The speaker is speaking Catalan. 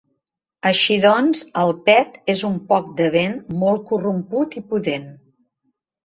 Així doncs, el pet és un poc de vent, molt corromput i pudent.